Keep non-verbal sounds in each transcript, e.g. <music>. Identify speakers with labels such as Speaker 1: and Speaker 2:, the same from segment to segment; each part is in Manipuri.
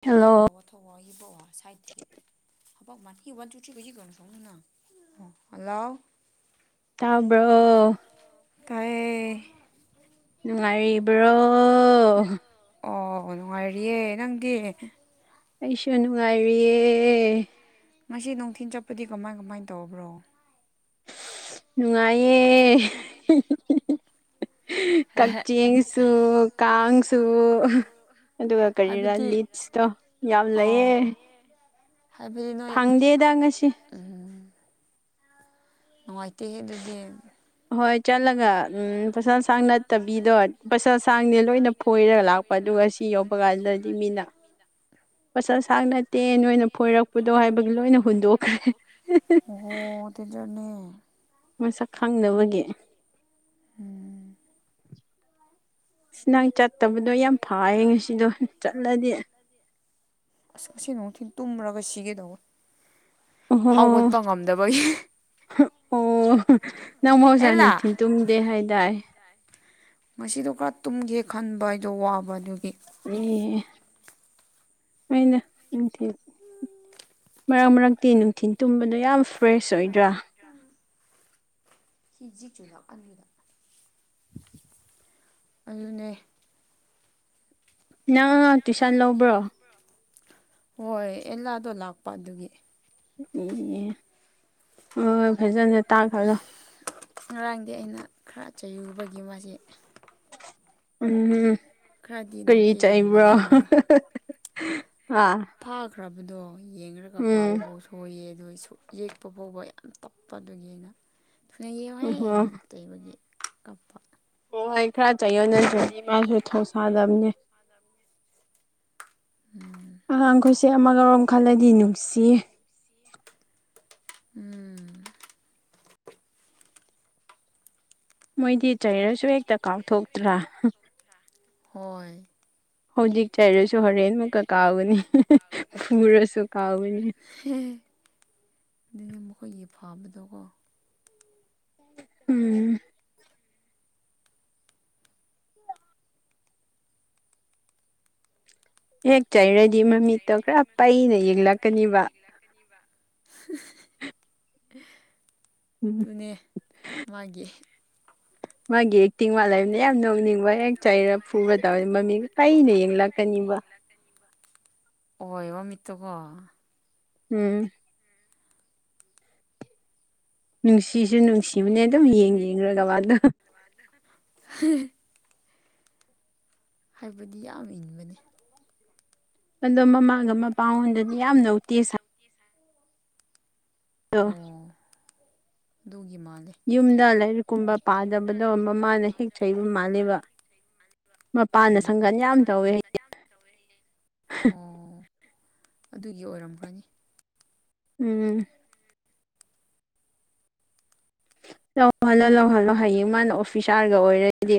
Speaker 1: ꯊꯋꯥ ꯇꯧꯔꯤ
Speaker 2: ꯍꯜꯂꯣ
Speaker 1: ꯂꯣꯑꯣ ꯊꯧꯑ ꯍꯕꯣꯛꯑꯣ ꯁꯥꯏꯠꯇꯒꯤ <unintelligible> ꯍꯂꯣ
Speaker 2: ꯇꯥꯕ꯭ꯔꯣ
Speaker 1: ꯀꯥꯏꯌ‌ꯦ
Speaker 2: ꯅꯨꯡꯉꯥꯏꯔꯤꯕ꯭ꯔꯣ
Speaker 1: ꯑꯣ ꯅꯨꯡꯉꯥꯏꯔꯤꯌꯦ ꯅꯪꯗꯤ
Speaker 2: ꯑꯩꯁꯨ ꯅꯨꯡꯉꯥꯏꯔꯤꯌꯦ
Speaker 1: ꯉꯁꯤ ꯅꯨꯡꯊꯤꯟ ꯆꯠꯄꯗꯤ ꯀꯃꯥꯏ ꯀꯃꯥꯏ ꯇꯧꯕ꯭ꯔꯣ
Speaker 2: ꯅꯨꯡꯉꯥꯏꯌꯦ ꯀꯛꯆꯦꯡ ꯁꯨ ꯀꯥꯡꯁ ꯁꯨ ꯑꯗꯨꯒ ꯀꯔꯤꯔꯥ
Speaker 1: ꯍꯥꯏꯕꯗꯤ
Speaker 2: ꯂꯤꯠꯁꯇꯣ ꯌꯥꯝ ꯂꯩꯌꯦ
Speaker 1: ꯑꯣ ꯍꯥꯏꯕꯗꯤ ꯅꯣꯏꯗ
Speaker 2: ꯐꯪꯗꯦꯗ ꯉꯁꯤ
Speaker 1: ꯎꯝ ꯅꯨꯡꯉꯥꯏꯇꯦꯍꯦ ꯑꯗꯨꯗꯤ
Speaker 2: ꯍꯣꯏ ꯆꯠꯂꯒ ꯎꯝ ꯐꯁꯥ ꯁꯥꯡ ꯅꯠꯇꯕꯤꯗꯣ ꯐꯁꯥ ꯁꯥꯡꯅꯦ ꯂꯣꯏꯅ
Speaker 1: ꯂꯣꯏꯅ ꯐꯣꯏꯔꯒ ꯂꯥꯛꯄ ꯑꯗꯨꯒ ꯁꯤ ꯌꯣꯛꯄ ꯀꯥꯟꯗꯗ ꯃꯤꯅ
Speaker 2: ꯄꯠꯁꯛ ꯁꯥꯡ ꯅꯠꯇꯦ ꯅꯣꯏꯅ ꯐꯣꯏꯔꯛꯄꯗꯣ ꯍꯥꯏꯕꯒꯤ ꯂꯣꯏꯅ ꯍꯨꯟꯗꯣꯛꯈ꯭ꯔꯦ
Speaker 1: ꯑꯣ ꯗꯨꯏꯗꯅꯦ
Speaker 2: ꯃꯁꯛ ꯈꯪꯅꯕꯒꯤ
Speaker 1: ꯎꯝ
Speaker 2: ꯁꯤ ꯅꯪ ꯆꯠꯇꯕꯗꯣ ꯌꯥꯝ ꯐꯌꯦ ꯉꯁꯤꯗꯣ ꯆꯠꯂꯗꯤ
Speaker 1: ꯑꯁ ꯉꯁꯤ ꯅꯨꯡꯊꯤꯜ ꯇꯨꯝꯔꯒ ꯁꯤꯒꯦ ꯇꯧꯕ
Speaker 2: ꯑꯣ
Speaker 1: ꯉꯝꯗꯕꯒꯤ
Speaker 2: ꯑꯣ ꯅꯪꯕꯨ ꯉꯁꯥꯏ
Speaker 1: ꯑꯦꯂꯥ
Speaker 2: ꯅꯨꯡꯊꯤꯟꯜ ꯇꯨꯝꯗꯦ ꯍꯥꯏꯗꯥꯏ
Speaker 1: ꯉꯁꯤꯗꯣ ꯈꯔ ꯇꯨꯝꯒꯦ ꯈꯟꯕ ꯑꯩꯗꯣ ꯋꯥꯕ ꯑꯗꯨꯒꯤ
Speaker 2: ꯑꯦ ꯑꯩꯅ ꯅꯨꯡꯊꯤꯜ ꯃꯔꯛ ꯃꯔꯛꯇꯤ ꯅꯨꯡꯊꯤꯜ ꯇꯨꯝꯕꯗꯣ ꯌꯥꯝ ꯐ꯭ꯔꯦꯁ ꯑꯣꯏꯗ꯭ꯔꯥ
Speaker 1: ꯌꯥꯝ ꯀꯤꯖꯤꯖꯤ ꯆꯨꯜꯂꯥꯛ ꯑꯅꯤꯔ ꯑꯗꯨꯅꯦ
Speaker 2: ꯅꯪ ꯇꯨꯏꯁꯟ ꯂꯧꯕ꯭ꯔꯣ
Speaker 1: ꯍꯣꯏ ꯑꯦꯜꯂꯥꯗꯣ ꯂꯥꯛꯄ ꯑꯗꯨꯒꯤ
Speaker 2: ꯑꯦ ꯍꯣꯏ ꯍꯣꯏ ꯐꯖꯅꯁꯦ ꯇꯥꯛꯈ꯭ꯔꯗꯣ
Speaker 1: ꯉꯔꯥꯡꯗꯤ ꯑꯩꯅ ꯈꯔ ꯆꯌꯨꯕꯒꯤ ꯃꯥ
Speaker 2: ꯎꯝ
Speaker 1: ꯈꯔꯗꯤ
Speaker 2: ꯀꯔꯤ
Speaker 1: ꯅꯥꯎꯇꯤ
Speaker 2: ꯆꯠꯕ꯭ꯔꯣ
Speaker 1: ꯇꯧꯕꯅꯦ ꯃꯥꯅ
Speaker 2: ꯑꯥ
Speaker 1: ꯐꯥꯈ꯭ꯔꯕꯗꯣ ꯌꯦꯡꯉꯒ ꯄꯥꯕꯐꯥꯎ ꯁꯣꯏꯌꯦ ꯑꯗꯨꯗꯣ ꯌꯦꯛꯄ ꯐꯥꯎꯕ ꯌꯥꯝ ꯇꯞꯄ ꯑꯗꯨꯒꯤꯅ ꯊꯨꯅ ꯌꯦꯛꯎ ꯍꯦ ꯍꯦꯟꯅ
Speaker 2: ꯑꯣꯍꯣ
Speaker 1: ꯇꯩꯕꯒꯤ ꯀꯞꯄ
Speaker 2: ꯑꯣ ꯑꯩ ꯈꯔ ꯆꯌꯣꯟꯅꯗ꯭ꯔꯗꯤ ꯃꯥꯁꯨ ꯊꯧꯁꯥꯗꯕꯅꯦ
Speaker 1: ꯎꯝ
Speaker 2: ꯑꯉꯥꯡꯈꯣꯏꯁꯦ ꯑꯃꯒꯔꯣꯝ ꯈꯜꯂꯗꯤ ꯅꯨꯡꯁꯤ
Speaker 1: ꯎꯝ
Speaker 2: ꯃꯣꯏꯗꯤ ꯆꯩꯔꯁꯨ ꯍꯦꯛꯇ ꯀꯥꯎꯊꯣꯛꯇ꯭ꯔꯥ
Speaker 1: ꯍꯣꯏ
Speaker 2: ꯍꯧꯖꯤꯛ ꯆꯩꯔꯁꯨ ꯍꯣꯔꯦꯟ ꯃꯨꯛꯀ ꯀꯥꯎꯒꯅꯤ ꯐꯔꯁꯨ ꯀꯥꯎꯒꯅꯤ
Speaker 1: ꯑꯦꯦ ꯑꯗꯨꯅꯦ ꯃꯈꯣꯏꯒꯤ ꯐꯥꯕꯗꯣꯀꯣ
Speaker 2: ꯎꯝ ꯍꯦꯛ ꯆꯩꯔꯗꯤ ꯃꯃꯤꯠꯇꯣ ꯈꯔ ꯄꯩꯅ ꯌꯦꯡꯂꯛꯀꯅꯤꯕ
Speaker 1: ꯏꯂꯥꯛ ꯀꯅꯤꯕ
Speaker 2: ꯎꯝ
Speaker 1: ꯑꯗꯨꯅꯦ ꯃꯥꯒꯤ
Speaker 2: ꯃꯥꯒꯤ ꯑꯦꯛꯇꯤꯡ
Speaker 1: ꯃꯥꯒꯤ
Speaker 2: ꯋꯥꯠꯂꯕꯅ ꯌꯥꯝ
Speaker 1: ꯆꯤꯡ ꯃꯥꯂꯕꯅ
Speaker 2: ꯅꯣꯛꯅꯤꯡꯕ
Speaker 1: ꯌꯥꯝ
Speaker 2: ꯍꯦꯛ ꯆꯩꯔ
Speaker 1: ꯅꯧꯅꯤꯡꯕ ꯍꯦꯛ
Speaker 2: ꯐꯨꯕ
Speaker 1: ꯆꯩꯔ
Speaker 2: ꯇꯧꯔꯗꯤ
Speaker 1: ꯄꯨꯔ
Speaker 2: ꯃꯃꯤꯠ
Speaker 1: ꯇꯧ
Speaker 2: ꯄꯩꯅ
Speaker 1: ꯃꯃꯤ ꯑꯩꯅ
Speaker 2: ꯌꯦꯡꯂꯛꯀꯅꯤꯕ
Speaker 1: ꯌꯦꯡ ꯂꯥꯛꯀꯦ ꯑꯣꯏꯏ ꯋꯥꯃꯤꯠꯇꯀꯣ
Speaker 2: ꯎꯝ ꯅꯨꯡꯁꯤꯁꯨ ꯅꯨꯡꯁꯤꯕꯅꯦ ꯑꯗꯨꯝ ꯌꯦꯡ ꯌꯦꯡꯈꯒꯕ ꯑꯗ
Speaker 1: ꯍ ꯍꯥꯏꯕꯗꯤ ꯌꯥꯝ ꯏꯟꯕꯅꯤ
Speaker 2: ꯀꯟꯗꯣ ꯃꯃꯥꯡ
Speaker 1: ꯑꯗꯣ ꯃꯃꯥꯡꯗ ꯃꯄꯥꯡꯟꯗꯁꯨ ꯌꯥꯝꯅ ꯎꯦ ꯑꯣ ꯑꯗꯨꯒꯤ ꯃꯥꯜꯂꯦ
Speaker 2: ꯌꯨꯝꯗ ꯂꯥꯏꯔꯤꯛ ꯀꯨꯝꯕ ꯄꯥꯗꯕꯗꯣ ꯃꯃꯥꯅ ꯍꯦꯛ ꯆꯩꯕ ꯃꯥꯜꯂꯕ ꯃꯄꯥꯟꯗ
Speaker 1: ꯎꯝ
Speaker 2: ꯁꯪꯒꯟ ꯌꯥꯝ ꯇꯧꯋꯦ ꯑꯩ
Speaker 1: ꯑꯣ ꯑꯗꯨꯒꯤ ꯑꯣꯏꯔꯝꯈ꯭ꯔꯅꯤ
Speaker 2: ꯎꯝ ꯂꯧꯍꯜꯂꯣ ꯂꯍꯜꯂꯣ ꯍꯌꯦꯡ ꯃꯥꯅ ꯑꯣꯐꯤꯁꯥꯔꯒ ꯑꯣꯏꯔꯗꯤ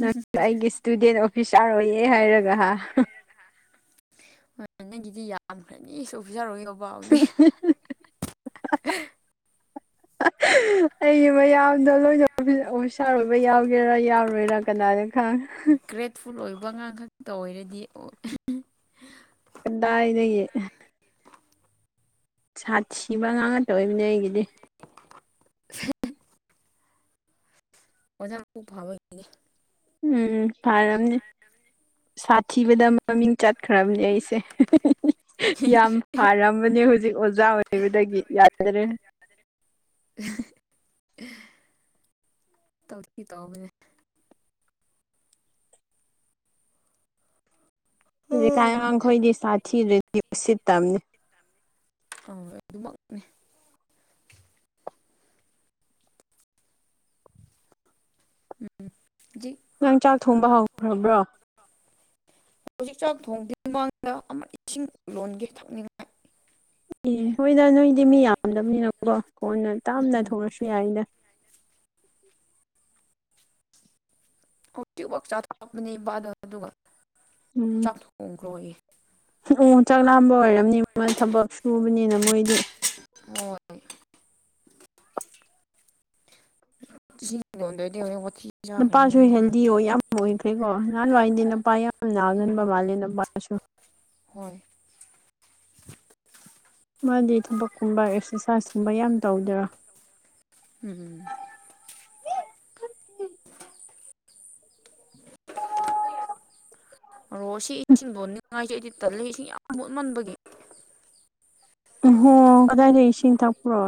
Speaker 2: ꯅꯪ ꯑꯩꯒꯤ ꯏꯁꯇꯨꯗꯦꯟ ꯑꯣꯐꯤꯁ ꯆꯥꯔ ꯑꯣꯏꯌꯦꯦ ꯍꯥꯏꯔꯒ
Speaker 1: ꯍꯣꯏ ꯅꯪꯒꯤꯗꯤ ꯌꯥꯝꯈ꯭ꯔꯅꯤꯁꯨ ꯑꯣꯐꯤꯁꯥꯔ ꯑꯣꯏ ꯌꯣꯕꯥꯎꯗꯦ
Speaker 2: <inaudible>
Speaker 1: <inaudible>
Speaker 2: ꯑꯩꯒꯤ ꯃꯌꯥꯝꯗꯣ ꯂꯣꯏꯅ ꯑꯣꯐꯤꯁꯥꯔ ꯑꯣꯏꯕ ꯌꯥꯎꯒꯦꯔꯥ ꯌꯥꯎꯔꯣꯏꯔꯥ ꯀꯅꯥꯅ ꯈꯪ
Speaker 1: ꯐꯨꯜ ꯑꯣꯏꯕ ꯑꯉꯥꯡ ꯈꯛꯇ ꯑꯣꯏꯔꯗꯤ
Speaker 2: ꯀꯗꯥꯏ ꯂꯩꯗꯒꯤ ꯁꯥꯊꯤꯕ ꯉꯥꯛ ꯉꯥꯛꯇ ꯑꯣꯏꯕꯅꯦ ꯑꯩꯒꯤꯗꯤ
Speaker 1: <inaudible> ꯑꯣꯖꯥ ꯐꯕꯅꯦ
Speaker 2: ꯎꯝ ꯐꯔꯝꯅꯦ ꯁꯥꯊꯤꯕꯗ ꯃꯃꯤꯡ ꯆꯠꯈ꯭ꯔꯕꯅꯦ ꯑꯩꯁꯦ ꯌꯥꯝ ꯐꯔꯝꯕꯅꯦ ꯍꯧꯖꯤꯛ ꯑꯣꯖꯥ ꯑꯣꯏꯕꯗꯒꯤ ꯌꯥꯗꯔꯦ
Speaker 1: ꯇꯧꯁꯤꯤ ꯇ
Speaker 2: ꯍꯧꯖꯤꯛ
Speaker 1: ꯑꯧ
Speaker 2: ꯀꯥꯏ ꯑꯩꯈꯣꯏꯗꯤ ꯁꯥꯊꯤ ꯔꯦꯗꯤꯑꯣ ꯁꯤꯠꯇꯕꯅꯦ
Speaker 1: ꯑ ꯑꯗꯨ <unintelligible> ꯎꯝ ꯖꯤ <unintelligible>
Speaker 2: ꯅꯪ ꯆꯥꯛ ꯊꯣꯡꯕ ꯍꯧꯈ꯭ꯔꯕ꯭ꯔꯣ
Speaker 1: ꯍꯧꯖꯤꯛ ꯆꯥꯛ ꯊꯣꯡꯗꯨ ꯃꯃꯥꯡꯗ ꯑꯃ ꯏꯁꯤꯡ ꯂꯣꯟꯒꯦ ꯊꯛꯅꯤꯡꯉ <unintelligible>
Speaker 2: ꯑꯦ ꯍꯣꯏꯗ ꯅꯣꯏꯗꯤ ꯃꯤ ꯌꯥꯝꯗꯕꯅꯤꯅꯀꯣ ꯀꯣꯟꯅ ꯇꯥꯝꯅ
Speaker 1: ꯎꯝ
Speaker 2: ꯊꯣꯛꯂꯁꯨ ꯌꯥꯏꯅꯦ
Speaker 1: ꯍꯧꯇꯤꯕ ꯆꯥꯊꯣꯔꯛꯄꯅꯦ ꯏꯄꯥꯗ ꯑꯗꯨꯒ ꯆꯥꯛꯊꯣꯡꯈ꯭ꯔꯣ
Speaker 2: ꯎ ꯆꯥꯛ ꯂꯥꯝꯕ ꯑꯣꯏꯔꯝꯅꯤ ꯃꯣꯏ ꯊꯕꯛ ꯁꯨꯕꯅꯤꯅ ꯃꯣꯏꯗꯤ
Speaker 1: ꯍꯣꯏ ꯁꯤ ꯀꯣꯗꯗꯤ ꯍꯧꯅꯦ ꯄꯊꯤ <unintelligible>
Speaker 2: ꯅꯨꯄꯥꯁꯨ ꯍꯦꯜꯗꯤ ꯑꯣꯏ ꯌꯥꯝ ꯑꯣꯏꯈ꯭ꯔꯦꯀꯣ ꯅꯍꯥꯟꯋꯥꯏꯗꯤ ꯅꯨꯄꯥ ꯌꯥꯝ ꯅꯥꯒꯟꯕ
Speaker 1: ꯎꯝ
Speaker 2: ꯃꯥꯜꯂꯦ ꯅꯨꯄꯥꯁꯨ <unintelligible>
Speaker 1: ꯍꯣꯏ
Speaker 2: ꯃꯥꯗꯤ ꯊꯕꯛꯀꯨꯝꯕ ꯑꯦꯛꯁꯔꯁꯥꯏꯁꯀꯨꯝꯕ ꯌꯥꯝ ꯇꯧꯗꯔꯥ
Speaker 1: ꯎꯝ <inaudible> ꯑꯣꯣ ꯁꯤ ꯏꯁꯤꯡꯗꯣ ꯅꯤꯡꯉꯥꯏꯖꯦ ꯑꯩꯗꯤ ꯇꯂ ꯏꯁꯤꯡ ꯌꯥꯝ ꯃꯨꯠꯃꯟꯕꯒꯤ
Speaker 2: ꯎꯝ ꯍꯣ ꯀꯗꯥꯏꯗꯒꯤ ꯏꯁꯤꯡ ꯊꯛꯄ꯭ꯔꯣ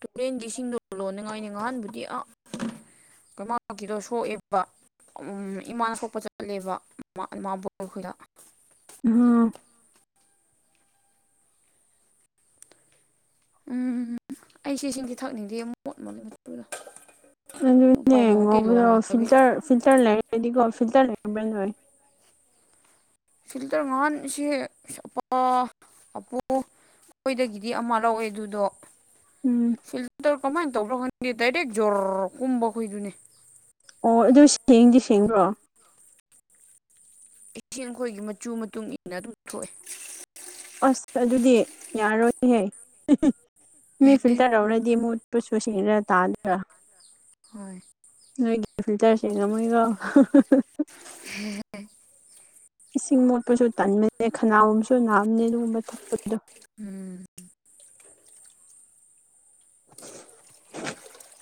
Speaker 1: ꯇꯨꯔꯦꯟꯒꯤ ꯏꯁꯤꯡꯗꯣ ꯂꯣꯟꯅꯤꯡꯉꯥꯏꯅꯤ ꯉꯍꯥꯟꯕꯨꯗꯤ ꯑ ꯀꯃꯀꯤꯗꯣ ꯁꯣꯛꯑꯦꯕ <unintelligible> ꯏꯃꯥꯅ ꯁꯣꯛꯄ ꯆꯠꯂꯦꯕ ꯏꯃꯥꯕ ꯑꯩꯈꯣꯏꯗ
Speaker 2: ꯎꯝ
Speaker 1: ꯎꯝ ꯎ ꯎ ꯑꯩ ꯁꯤꯁꯤꯡꯁꯦ ꯊꯛꯅꯤꯡꯗꯦ ꯑꯃꯨꯛ ꯃꯣꯠ ꯃꯣꯜꯂꯦ ꯃꯨꯔꯗ <unintelligible>
Speaker 2: ꯑꯗꯨꯅꯦ
Speaker 1: ꯄꯥꯏꯂꯃꯗꯤꯇꯩ ꯂꯣꯟꯍꯟ
Speaker 2: ꯉꯧꯕꯗꯣ
Speaker 1: ꯂꯒꯦ
Speaker 2: ꯐꯤꯜꯇꯔ
Speaker 1: <unintelligible>
Speaker 2: ꯐꯤꯜꯇꯔ ꯂꯩꯔꯒꯗꯤꯀꯣ ꯐꯤꯜꯇꯔ ꯂꯩꯔꯝꯕ ꯑꯣꯏ <unintelligible>
Speaker 1: ꯐꯤꯜꯇꯔ ꯉꯍꯥꯟ ꯁꯤ ꯑꯞꯄꯨ <unintelligible> ꯑꯩꯈꯣꯏꯗꯒꯤꯗꯤ ꯑꯃ ꯂꯧꯑꯦ ꯑꯗꯨꯗꯣ
Speaker 2: ꯎꯝ
Speaker 1: ꯁꯤꯜꯇ ꯇ ꯀꯃꯥꯏ ꯇ꯭ꯔ ꯈꯗꯤꯗꯥꯏꯔꯦꯛ ꯖꯣꯔ ꯀꯨꯝꯕꯈꯣꯏꯗꯨꯅꯦ
Speaker 2: ꯑꯣ ꯑꯗꯨ ꯁꯦꯡꯗꯤ ꯁꯦꯡꯗ꯭ꯔꯣ
Speaker 1: ꯏꯁꯤꯡ ꯑꯩꯈꯣꯏꯒꯤ ꯃꯆꯨ ꯃꯇꯨꯡ ꯏꯟꯅ ꯑꯗꯨꯝ ꯊꯣꯛꯑꯦ
Speaker 2: ꯑꯁ ꯑꯗꯨꯗꯤ ꯌꯥꯔꯣꯏꯍ ꯃꯤ ꯐꯤꯜꯇꯔ ꯇꯧꯔꯗꯤ ꯃꯨꯠꯄꯨꯁꯨꯁꯦꯡꯗꯔ ꯇꯥꯗ꯭ꯔꯥ
Speaker 1: ꯍꯣꯏ
Speaker 2: ꯅꯣꯏꯒꯤ ꯐꯤꯜꯇꯔꯁꯤꯡꯦꯒ ꯃꯣꯏꯒ <unintelligible>
Speaker 1: ꯍꯝ
Speaker 2: ꯏꯁꯤꯡ ꯃꯣꯠꯄꯁꯨ ꯇꯟꯕꯅꯦ ꯈꯅꯥꯒꯨꯝꯕꯁꯨ ꯅꯥꯝꯅꯦ ꯑꯗꯨꯒꯨꯝꯕ ꯊꯛꯄꯗꯣ
Speaker 1: ꯎꯝ
Speaker 2: <inaudible>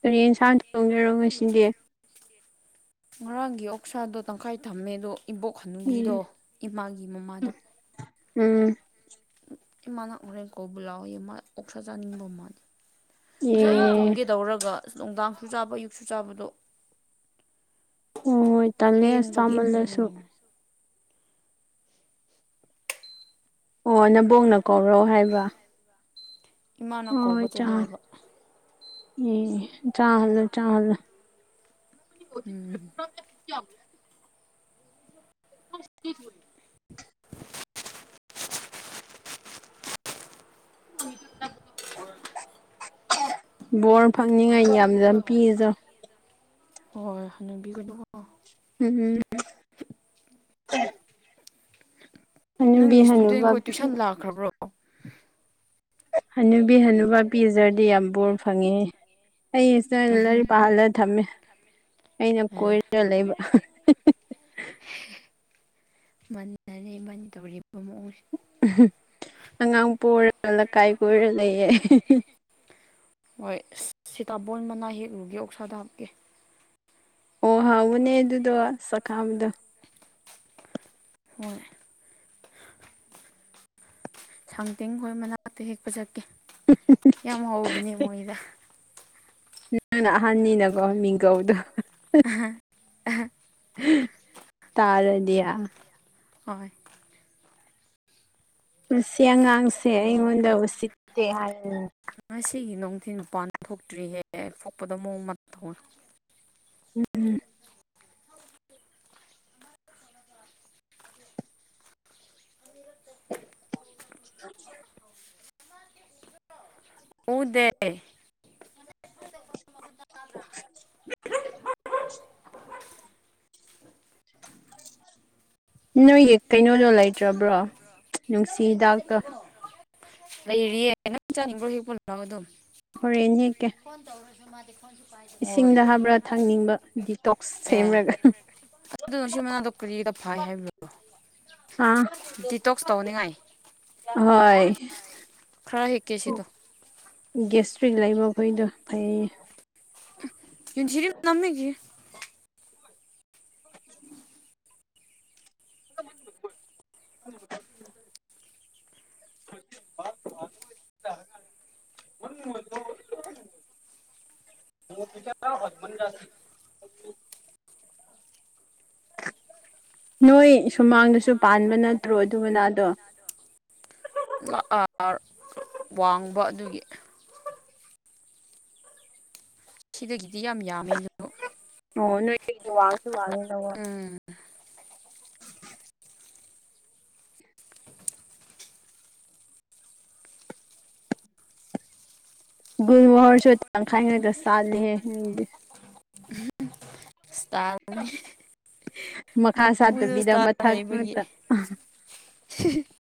Speaker 2: ꯇꯔꯦꯟ ꯌꯦꯟꯁꯥꯡ ꯊꯣꯡꯖꯔꯣ ꯉꯁꯤꯗꯤ
Speaker 1: ꯉꯔꯥꯡꯒꯤ ꯑꯣꯛꯁꯥꯗꯣ ꯇꯪꯈꯥꯏ ꯊꯝꯃꯦ ꯑꯗꯣ ꯏꯕꯣꯛ ꯍꯅꯨꯕꯤꯗꯣ ꯏꯃꯥꯒꯤ ꯃꯃꯥꯗꯣ
Speaker 2: ꯎꯝ
Speaker 1: ꯏꯃꯥꯅ ꯍꯣꯔꯦꯟ ꯀꯧꯕ ꯂꯥꯎꯑꯣꯌꯦ ꯃꯥ ꯑꯣꯛꯁꯥ ꯆꯥꯅꯤꯡꯕ ꯃꯥꯜꯂꯦ ꯉꯁꯥꯏ ꯑꯌꯨꯛ
Speaker 2: ꯑꯦ
Speaker 1: ꯊꯣꯡꯒꯦꯗꯧꯔꯒ ꯑꯁ ꯅꯨꯡꯗꯥꯡꯁꯨ ꯆꯥꯕ ꯑꯌꯨꯛꯁꯨ ꯆꯥꯕꯗꯣ
Speaker 2: ꯑꯣ ꯍꯣꯏ ꯇꯜꯂꯦ ꯑꯁ
Speaker 1: ꯄꯦꯟꯕꯒꯤ
Speaker 2: ꯆꯥꯃꯜꯂꯁꯨ
Speaker 1: ꯎꯝ
Speaker 2: ꯑꯣ ꯅꯕꯣꯡꯅ ꯀꯧꯔꯣ ꯍꯥꯏꯕ
Speaker 1: ꯏꯃꯥꯅ
Speaker 2: ꯍꯣꯏ ꯍꯣꯏ
Speaker 1: ꯀꯧꯕ
Speaker 2: ꯆꯥ
Speaker 1: ꯆꯠꯂꯨ ꯍꯥꯏꯕ
Speaker 2: ꯑꯦ ꯆꯥ ꯍꯖꯔ ꯆꯥ ꯍꯖꯔ <unintelligible>
Speaker 1: ꯎꯝ
Speaker 2: <inaudible> <inaudible> ꯕꯣꯔ ꯐꯪꯅꯤꯡꯉꯥꯏ ꯌꯥꯝ ꯌꯥꯝ ꯄꯤꯁꯨ <unintelligible>
Speaker 1: ꯍꯣꯏ ꯍꯣꯏ ꯍꯅꯕꯤꯒꯅꯨꯀꯣ <unintelligible>
Speaker 2: ꯎꯝ ꯍꯅꯨꯕꯤ
Speaker 1: ꯅꯪꯒꯤ
Speaker 2: ꯍꯅꯨꯕ
Speaker 1: ꯏꯁꯇꯨꯗꯦꯟꯈꯣꯏ ꯇꯨꯏꯁꯟ ꯂꯥꯛꯈ꯭ꯔꯕ꯭ꯔꯣ
Speaker 2: ꯍꯅꯨꯕꯤ ꯍꯅꯨꯕ ꯄꯤꯖꯔꯗꯤ ꯌꯥꯝ ꯕꯣꯔ ꯐꯪꯉꯦ ꯑꯩꯁꯨꯅ
Speaker 1: ꯎꯝꯍꯨꯝ
Speaker 2: ꯂꯥꯏꯔꯤꯛ ꯄꯥꯍꯜꯂꯒ ꯊꯝꯃꯦ ꯑꯩꯅ ꯀꯣꯏꯔꯒ ꯂꯩꯕ
Speaker 1: ꯃꯅꯔꯦꯃꯅ ꯇꯧꯔꯤꯕ ꯃꯑꯣꯡꯁ
Speaker 2: ꯑꯉꯥꯡ ꯄꯔ ꯂꯩꯀꯥꯏ ꯀꯣꯏꯔ ꯂꯩꯌꯦ
Speaker 1: ꯍꯣꯏ ꯁꯤꯇꯥꯥꯕꯜ ꯃꯅꯥ ꯍꯦꯛꯂꯨꯒꯦ ꯑꯣꯛꯁꯥꯗ ꯍꯥꯞꯀꯦ
Speaker 2: ꯑꯣ ꯍꯥꯎꯋꯅꯦ ꯑꯗꯨꯗꯣ ꯆꯥꯛꯈꯥꯕꯗꯣ
Speaker 1: ꯍꯣꯏ ꯁꯥꯡꯇꯤꯡ ꯈꯣꯏ ꯃꯅꯥꯛꯇ ꯍꯦꯛꯄ ꯆꯠꯀꯦ ꯌꯥꯝ ꯍꯧꯕꯅꯦ ꯃꯣꯏꯗ
Speaker 2: ꯅꯪꯅ ꯑꯍꯟꯅꯤꯅꯀꯣ ꯃꯤꯡꯒꯧꯗꯣ
Speaker 1: ꯑꯍ
Speaker 2: ꯇꯥꯔꯗꯤꯌꯥ
Speaker 1: ꯍꯣꯏ
Speaker 2: ꯄꯨꯟꯁꯤ ꯑꯉꯥꯡꯁꯦ ꯑꯩꯉꯣꯟꯗ ꯎꯁꯤꯠꯇꯦ ꯍꯥꯏꯅꯤ
Speaker 1: ꯉꯁꯤꯒꯤ ꯅꯨꯡꯊꯤꯜ ꯅꯨꯄꯥꯥꯟ ꯊꯣꯛꯇ꯭ꯔꯤꯍꯦꯦꯛ ꯄꯣꯛꯄꯗ ꯃꯑꯣꯡ ꯃꯇ ꯇꯧꯋ
Speaker 2: ꯎꯝ ꯎꯝ
Speaker 1: ꯑ ꯔꯛꯛꯇ
Speaker 2: <unintelligible>
Speaker 1: ꯀꯨꯗꯦ
Speaker 2: <unintelligible> ꯅꯣꯏꯒꯤ ꯀꯩꯅꯣꯗꯣ ꯂꯩꯇ꯭ꯔꯕ꯭ꯔꯣ ꯅꯨꯡꯁꯤꯗ
Speaker 1: ꯂꯩꯔꯤꯌꯦ ꯅꯪ ꯆꯥꯅꯤꯡꯕ꯭ꯔꯣ ꯍꯦꯛ ꯄꯨꯜꯂꯣ ꯑꯗꯨꯝ
Speaker 2: ꯍꯣꯔꯣꯏꯅꯤ ꯀꯦ
Speaker 1: ꯍꯣꯏ
Speaker 2: ꯍꯥꯞꯕ꯭ꯔꯥ ꯊꯛꯅꯤꯡꯕ ꯗꯤꯇꯣꯛꯁ
Speaker 1: ꯑꯦ
Speaker 2: ꯁꯦꯝꯔꯒ
Speaker 1: ꯑꯗꯨꯅꯣ ꯁꯤ ꯃꯅꯥꯗꯣ ꯀꯔꯤꯗ ꯐꯥꯏ ꯍꯥꯏꯕꯣ
Speaker 2: ꯑꯥ
Speaker 1: ꯗꯤꯇꯣꯛꯁ ꯇꯧꯅꯤꯡꯉꯥꯏ
Speaker 2: ꯍꯣꯏ
Speaker 1: ꯈ꯭ꯔꯔ ꯍꯦꯛ ꯀꯦꯁꯤꯗ
Speaker 2: ꯒꯦꯁꯇ꯭ꯔꯤꯛ ꯂꯩꯕ ꯃꯈꯣꯏꯗꯣ ꯍꯩ
Speaker 1: ꯌꯔꯤ ꯅꯝꯃꯤꯃꯦꯒꯤ
Speaker 2: <inaudible> <unintelligible> ꯍꯖꯃꯟ ꯅꯣꯏ ꯁꯨꯃꯥꯡꯗꯁꯨ ꯄꯥꯟꯕ ꯅꯠꯇ꯭ꯔꯣ ꯑꯗꯨꯅꯥꯗꯣ
Speaker 1: ꯋꯥꯡꯕ ꯑꯗꯨꯒꯤ ꯁꯤꯗꯒꯤꯗꯤ ꯌꯥꯝ ꯌꯥꯝꯃꯦ ꯑꯗꯨ
Speaker 2: ꯑꯣ ꯅꯣꯏ ꯋꯥꯁꯨ ꯋꯥꯅꯦꯦꯅ ꯋꯥ
Speaker 1: ꯎꯝ
Speaker 2: ꯒꯨꯔ ꯋꯥꯔꯁꯨ ꯇꯪꯈꯥꯏꯉꯛꯇ ꯁꯥꯠꯂꯤꯦ
Speaker 1: ꯏꯁꯇꯥꯅꯤ
Speaker 2: ꯃꯈꯥ ꯁꯥꯠꯇꯕꯤꯗꯥ
Speaker 1: ꯏꯁꯇꯥꯜ ꯂꯩꯕꯒꯤ
Speaker 2: ꯃꯊꯛꯠꯇ
Speaker 1: <inaudible>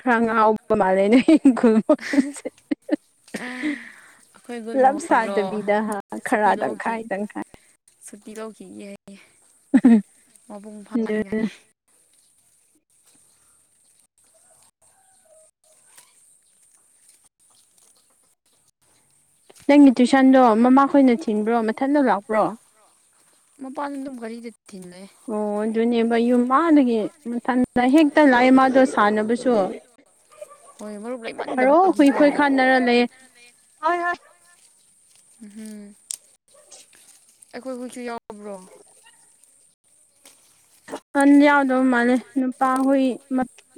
Speaker 2: ꯈꯔ ꯉꯥꯎꯕ ꯃꯥꯜꯂꯦꯅꯦꯈꯜꯁꯦ
Speaker 1: ꯑꯩꯈꯣꯏ ꯒꯨꯟ
Speaker 2: ꯂꯞ
Speaker 1: ꯃꯣꯍꯣꯔꯗꯣ
Speaker 2: ꯁꯥꯥꯗꯕꯤꯗꯥ ꯍꯥ ꯈꯔ
Speaker 1: ꯁꯨꯇꯤ ꯂꯧꯈꯤ
Speaker 2: ꯇꯪꯈꯥꯏ ꯇꯪꯈꯥꯏ
Speaker 1: ꯁꯨꯇꯤ ꯂꯧꯈꯤꯒꯌꯦ ꯃꯄꯨꯡ
Speaker 2: ꯑꯗꯨ
Speaker 1: ꯐꯥꯅꯤꯡꯉꯥꯏ
Speaker 2: ꯅꯪꯒꯤ ꯇꯨꯏꯁꯟꯗꯣ ꯃꯃꯥꯈꯣꯏꯅ ꯊꯤꯟꯕ꯭ꯔꯣ ꯃꯊꯟꯇ ꯂꯥꯛꯄ꯭ꯔꯣ
Speaker 1: ꯃ ꯄꯥꯟꯗ ꯔꯤꯗ ꯊ ꯂꯩ
Speaker 2: ꯑꯣ ꯑꯗꯨꯅꯦꯕ ꯌꯨꯝ ꯃꯥꯗꯒꯤ ꯃꯊꯟꯇꯗ ꯍꯦꯛꯇ ꯂꯥꯛꯑꯦ ꯃꯥꯗꯣ ꯁꯥꯟꯅꯕꯁꯨ
Speaker 1: ꯍꯣꯏ ꯃꯔꯨꯞ
Speaker 2: ꯑꯣ ꯍꯨꯏ ꯍꯨꯏ
Speaker 1: ꯂꯩꯃꯟꯗꯕꯒꯤꯀꯣ
Speaker 2: ꯈꯥꯟꯅꯔ ꯂꯩ ꯍꯣꯏ ꯍꯣꯏ
Speaker 1: ꯎꯝꯝ ꯑꯩꯈꯣꯏ ꯍꯧꯖꯤꯁꯨ ꯌꯥꯎꯕ꯭ꯔꯣ
Speaker 2: ꯍꯟ ꯌꯥꯎꯗꯧ ꯃꯥꯜꯂꯦ ꯅꯨꯄꯥ ꯍꯨꯏ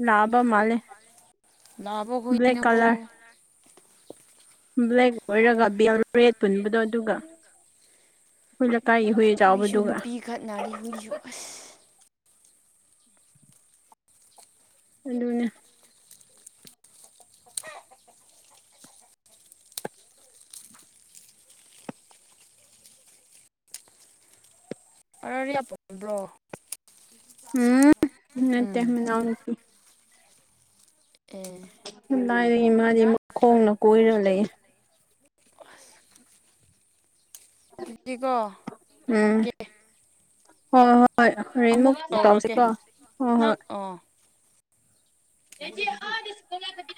Speaker 2: ꯂꯥꯛꯑꯕ ꯃꯥꯜꯂꯦ
Speaker 1: ꯂꯕꯣꯛ
Speaker 2: ꯕ꯭ꯂꯦꯛ
Speaker 1: ꯈꯅ ꯀꯧꯕꯣ
Speaker 2: ꯕ꯭ꯂꯦꯛꯔꯒ ꯕꯦꯜ ꯔꯦꯠ ꯄꯨꯟꯕꯗꯣ ꯑꯗꯨꯒ ꯑꯩꯈꯣꯏ ꯂꯩꯀꯥꯏꯒꯤ ꯍꯨꯏ ꯆꯥꯎꯕꯗꯨꯒ
Speaker 1: ꯈꯠ ꯅꯥꯔꯤ ꯍꯨꯏꯌ ꯑꯁ
Speaker 2: ꯑꯅꯦ
Speaker 1: ꯑꯔꯤꯌꯥ ꯄꯕ꯭ꯔꯣ
Speaker 2: ꯎꯝ ꯅꯠꯇꯟꯅꯎꯅꯠꯇ
Speaker 1: ꯑꯦ
Speaker 2: ꯂꯥꯏꯔꯤ ꯏ ꯃꯥꯥꯗꯤꯨꯛ ꯈꯣꯡꯅ ꯀꯣꯏꯔ ꯂꯩꯦ
Speaker 1: ꯗꯤꯀꯣ
Speaker 2: ꯎꯝ
Speaker 1: ꯊꯝꯒꯦ
Speaker 2: ꯍꯣꯏ ꯍꯣꯏ
Speaker 1: ꯑꯃꯨꯛ
Speaker 2: ꯍꯣꯔꯦꯟꯦꯟꯃꯨꯛ
Speaker 1: ꯇꯧꯔꯛꯀꯦ
Speaker 2: ꯇꯧꯁꯤꯀꯣ ꯍꯣꯏ
Speaker 1: ꯅꯪ
Speaker 2: ꯍꯣꯏ
Speaker 1: ꯑꯣ
Speaker 2: ꯦꯗꯤ ꯁꯀꯨ ꯀ